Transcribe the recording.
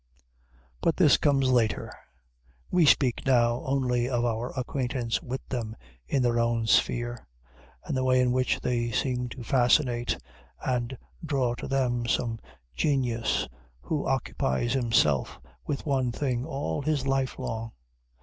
But this comes later. We speak now only of our acquaintance with them in their own sphere, and the way in which they seem to fascinate and draw to them some genius who occupies himself with one thing all his life long.